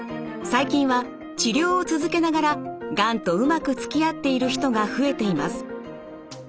最近は治療を続けながらがんとうまくつきあっている人が増えています。